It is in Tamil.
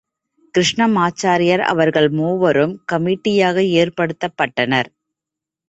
கிருஷ்ணமாச்சாரியார் அவர்கள் மூவரும் கமிட்டியாக ஏற்படுத்தப்பட்டனர்.